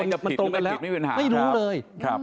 เพราะมันตรงกันแล้วไม่รู้เลย